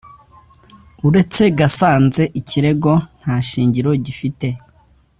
Uretse gasanze ikirego nta shingiro gifite